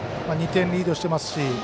２点リードしてますし